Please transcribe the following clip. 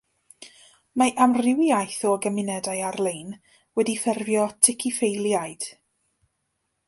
Mae amrywiaeth o gymunedau ar-lein wedi ffurfio tikiffeiliaid.